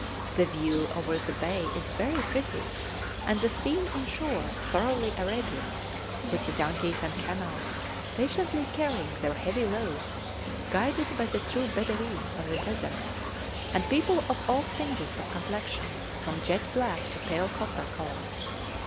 The view over the bay is very pretty, and the scene on shore thoroughly Arabian, with the donkeys and camels patiently carrying their heavy loads, guided by the true Bedaween of the desert, and people of all tinges of complexion, from jet black to pale copper colour.